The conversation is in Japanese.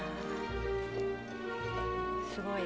すごい。